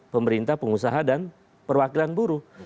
pemerintah pengusaha dan perwakilan buruh